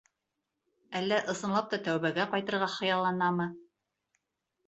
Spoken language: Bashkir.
Әллә ысынлап тәүбәгә ҡайтырға хыялланамы?